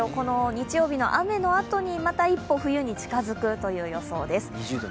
日曜日の雨のあとに、また一歩冬に近づくといった感じです。